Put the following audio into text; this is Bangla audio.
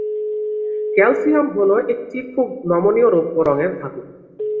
ক্যালসিয়াম হল একটি খুব নমনীয় রৌপ্য রঙের ধাতু।